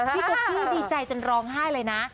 พี่ตุ๊กกี้ดีใจจนร้องไห้เลยนะ